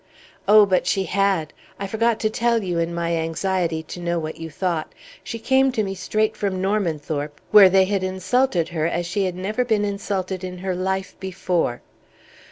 "Oh, but she had! I forgot to tell you in my anxiety to know what you thought. She came to me straight from Normanthorpe, where they had insulted her as she had never been insulted in her life before!"